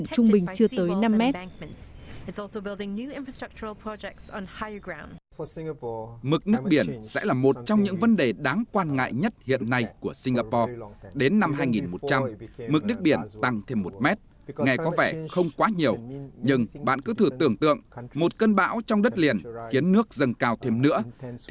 trước mắt đến năm hai nghìn một trăm linh mức nước biển của quốc gia này có thể tăng khoảng một mét trong khi đó ba mươi phút